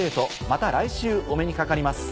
また来週お目にかかります。